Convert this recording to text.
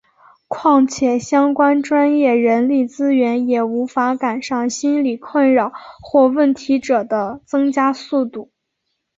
况且相关专业人力资源也无法赶上心理困扰或问题者的增加速度。